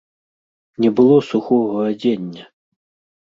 Не было сухога адзення!